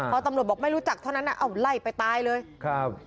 พอตำรวจบอกไม่รู้จักเท่านั้นอ่ะเอาไล่ไปตายเลยครับ